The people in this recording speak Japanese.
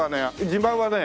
自慢はね